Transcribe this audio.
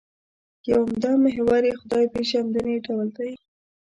یو عمده محور یې خدای پېژندنې ډول دی.